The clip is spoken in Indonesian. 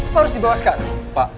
harus dibawaskan pak